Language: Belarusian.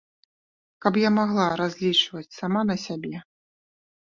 Каб я магла разлічваць сама на сябе!